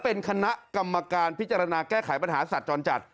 เป็นคณะกรรมการพิจารณาแก้ไขปัญหาสัตว์จรจัด